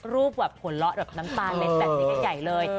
แบบหัวเราะแบบน้ำตาเล็ดแบบนี้กันใหญ่เลย